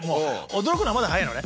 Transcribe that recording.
驚くのはまだ早いのね。